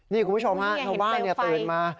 นี่คุณผู้ชมฮะชาวบ้านตื่นมา